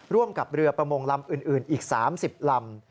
ร่วมกับเรือประมงลำอื่นอีก๓๐ลำ